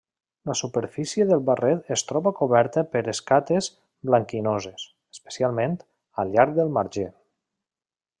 La superfície del barret es troba coberta per escates blanquinoses, especialment, al llarg del marge.